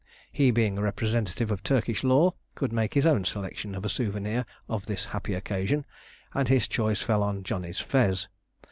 He being a representative of Turkish law, could make his own selection of a souvenir of this happy occasion, and his choice fell on Johnny's fez.